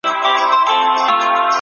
د بدن د غړو په څېر بايد همږغي اوسو.